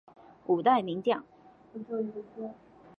五代名将。